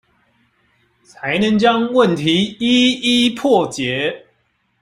才能將問題一一破解